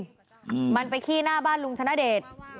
อืมมันไปขี้หน้าบ้านลุงชนะเดช